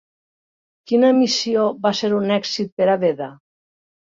Quina missió va ser un èxit per a Beda?